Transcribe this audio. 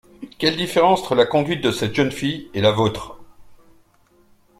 Quelle différence entre la conduite de cette jeune fille et la vôtre!